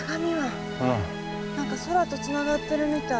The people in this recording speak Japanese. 何か空とつながってるみたい。